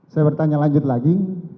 saya bertanya lanjut lagi